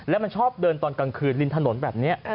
แล้วมันชอบเดินตอนกลางคืนริมถนนแบบนี้